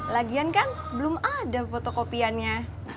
lagian kan belum ada foto kopiannya